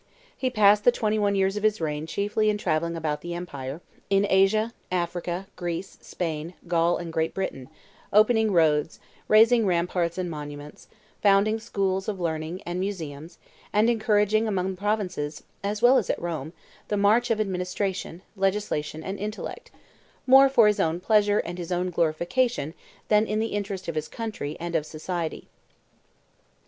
He passed the twenty one years of his reign chiefly in travelling about the empire, in Asia, Africa, Greece, Spain, Gaul, and Great Britain, opening roads, raising ramparts and monuments, founding schools of learning and museums, and encouraging among the provinces, as well as at Rome, the march of administration, legislation, and intellect, more for his own pleasure and his own glorification than in the interest of his country and of society.